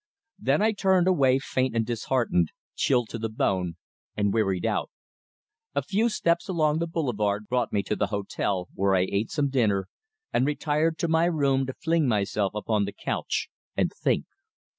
Then I turned away faint and disheartened, chilled to the bone, and wearied out. A few steps along the Boulevard brought me to the hotel, where I ate some dinner, and retired to my room to fling myself upon the couch and think.